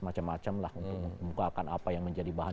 macam macam lah untuk membukakan apa yang menjadi bahan